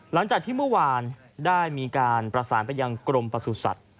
หลังจากที่เมื่อวานได้มีการประสานไปยังกรมประสุทธิ์สัตว์